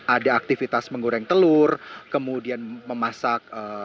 ada aktivitas menggoreng telur kemudian memasak